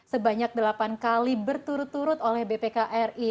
sebanyak delapan kali berturut turut oleh bpkri